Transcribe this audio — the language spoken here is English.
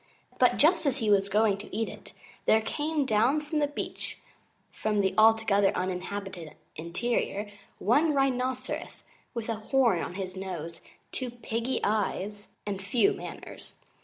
But just as he was going to eat it there came down to the beach from the Altogether Uninhabited Interior one Rhinoceros with a horn on his nose, two piggy eyes, and few manners.